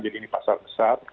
jadi ini pasar besar